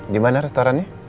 di mana restorannya